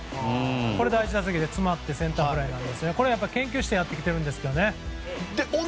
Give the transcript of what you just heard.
これ第１打席で詰まってセンターフライなんですがこれ、研究してやってきているんですかね。